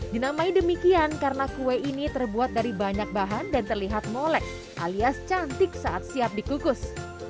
dinamai demikian karena kue ini terbuat dari banyak bahan dan terlihat molek alias cantik saat siap dikukus